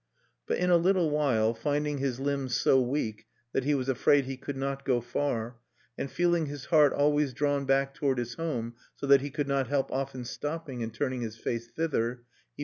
But in a little while, finding his limbs so weak that he was afraid he could not go far, and feeling his heart always drawn back toward his home, so that he could not help often stopping and turning his face thither, he became sad again.